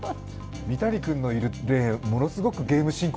三谷君のいるレーンものすごいゲーム進行